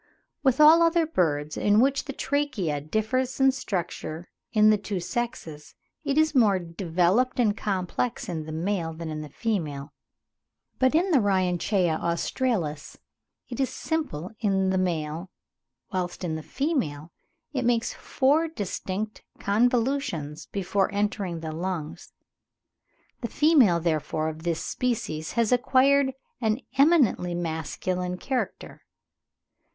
With all other birds in which the trachea differs in structure in the two sexes it is more developed and complex in the male than in the female; but in the Rhynchaea australis it is simple in the male, whilst in the female it makes four distinct convolutions before entering the lungs. (17. Gould's 'Handbook to the Birds of Australia,' vol. ii. p. 275.) The female therefore of this species has acquired an eminently masculine character.